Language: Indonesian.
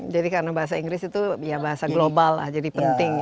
jadi karena bahasa inggris itu bahasa global lah jadi penting